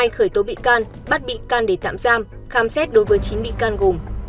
hai khởi tố bị can bắt bị can để tạm giam khám xét đối với chín bị can gồm